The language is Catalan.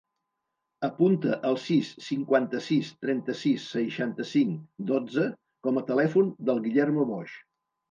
Apunta el sis, cinquanta-sis, trenta-sis, seixanta-cinc, dotze com a telèfon del Guillermo Boix.